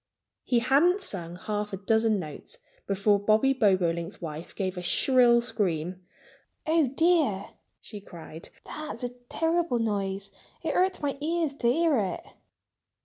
He hadn't sung half a dozen notes before Bobby Bobolink's wife gave a shrill scream. "Oh, dear!" she cried. "That's a terrible noise. It hurts my ears to hear it."